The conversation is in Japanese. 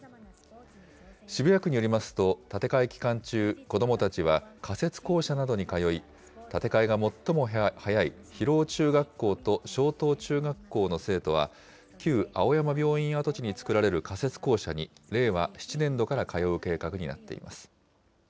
渋谷区によりますと、建て替え期間中、子どもたちは仮設校舎などに通い、建て替えが最も早い広尾中学校と松濤中学校の生徒は、旧青山病院跡地に作られる仮設校舎に令和７年度から通う計画になっています。